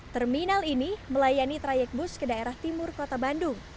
terminal ini melayani trayek bus ke daerah timur kota bandung